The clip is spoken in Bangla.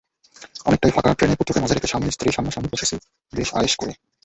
অনেকটাই ফাঁকা ট্রেনে পুত্রকে মাঝে রেখে স্বামী-স্ত্রী সামনা-সামনি বসেছি বেশ আয়েশ করে।